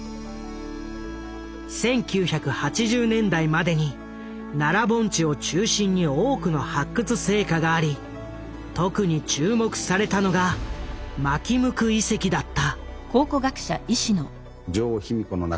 １９８０年代までに奈良盆地を中心に多くの発掘成果があり特に注目されたのが纒向遺跡だった。